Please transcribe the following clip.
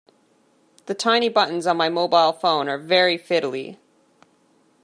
The tiny buttons on my mobile phone are very fiddly